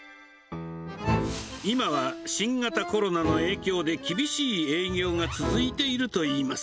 今は新型コロナの影響で厳しい営業が続いているといいます。